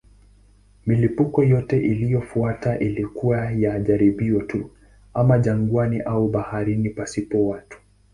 Milipuko yote iliyofuata ilikuwa ya jaribio tu, ama jangwani au baharini pasipo watu.